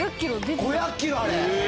５００キロ⁉あれ。